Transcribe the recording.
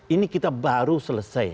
ini kita baru selesai